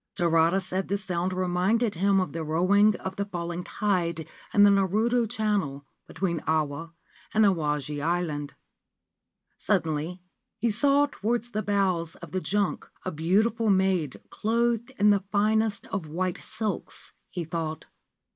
Tarada said the sound reminded him of the roaring of the falling tide in the Naruto Channel between Awa and Awaji Island. Suddenly he saw towards the bows of the junk a beautiful maid clothed in the finest of white silks (he thought).